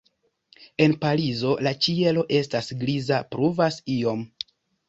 En Parizo la ĉielo estas griza, pluvas iom.